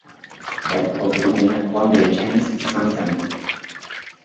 Bertako kapitaina Juan de Etxaniz izan zen.